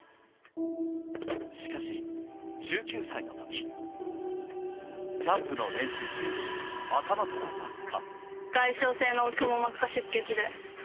しかし、１９歳の時、ジャンプの練習中に頭から落下。